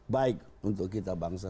baik untuk kita bangsa